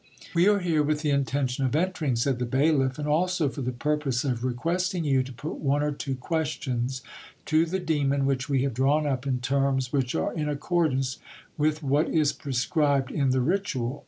"We are here with the intention of entering," said the bailiff, "and also for the purpose of requesting you to put one or two questions to the demon which we have drawn up in terms which are in accordance with what is prescribed in the ritual.